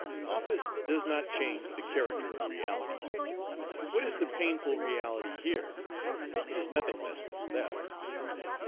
Office does not change the character Page 238 of realities. What is the painful reality here? It is nothing less than theft.